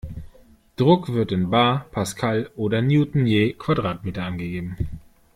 Druck wird in bar, Pascal oder Newton je Quadratmeter angegeben.